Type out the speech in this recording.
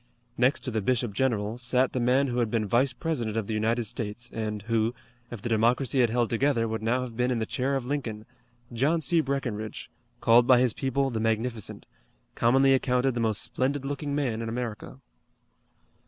Next to the bishop general sat the man who had been Vice President of the United States and who, if the Democracy had held together would now have been in the chair of Lincoln, John C. Breckinridge, called by his people the Magnificent, commonly accounted the most splendid looking man in America.